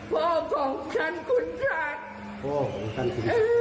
พ่อของฉันคุณศัตริย์